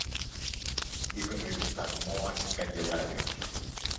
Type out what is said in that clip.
είπε με δισταγμό ο αρχικαγκελάριος.